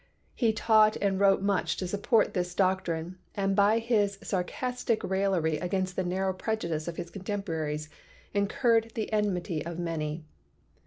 He taught and wrote THE PROPERTIES OF MATTER 23 much in support of this doctrine and by his sarcastic rail lery against the narrow prejudice of his contemporaries incurred the enmity of many.